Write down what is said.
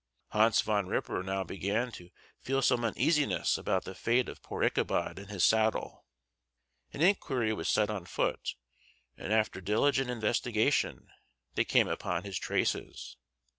Hans Van Ripper now began to feel some uneasiness about the fate of poor Ichabod and his saddle. An inquiry was set on foot, and after diligent investigation they came upon his traces.